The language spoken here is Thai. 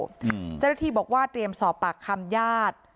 อืมจริงที่บอกว่าเตรียมสอบปากคำญาติ